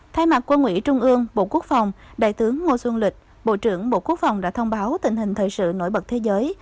thay mặt quân ủy trung ương bộ quốc phòng đại tướng ngô xuân lịch bộ trưởng bộ quốc phòng đã thông báo tình hình thời sự nổi bật thế giới